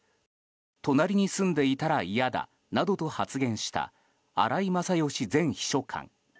隣に住んでいたら嫌だなどと発言した荒井勝喜前秘書官。